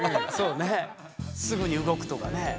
すぐに動くとかね。